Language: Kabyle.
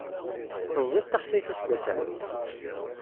Teẓẓiḍ taxsayt aseggas-a?